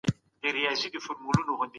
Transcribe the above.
موږ بايد ټولنيزې اړيکي پياوړي کړو.